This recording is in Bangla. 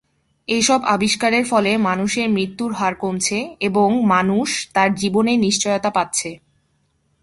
এসব আবিষ্কারের ফলে মানুষের মৃত্যুর হার কমছে এবং মানুষ তার জীবনের নিশ্চয়তা পাচ্ছে।